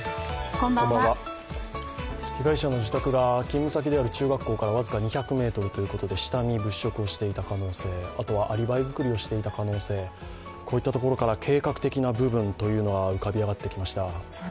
被害者の自宅が勤務先である中学校から僅か２００ｍということで下見、物色をしていた可能性、あとはアリバイ作りをしていた可能性、こういったところから計画的な部分が浮かび上がってきました。